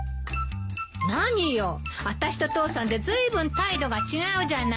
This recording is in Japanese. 何よあたしと父さんでずいぶん態度が違うじゃない。